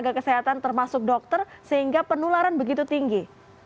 yg sarga kesehatan termasuk dokter sehingga penularan begitu tinggi